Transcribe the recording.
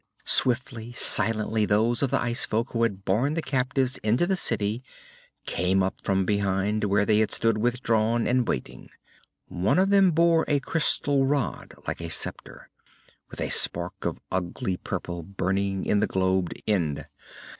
Swiftly, silently, those of the ice folk who had borne the captives into the city came up from behind, where they had stood withdrawn and waiting. And one of them bore a crystal rod like a sceptre, with a spark of ugly purple burning in the globed end.